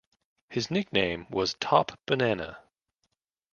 His nickname was Top Banana.